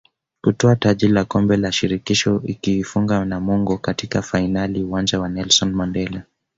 kutwaa taji la Kombe la Shirikisho ikiifunga Namungo katika fainali Uwanja wa Nelson Mandela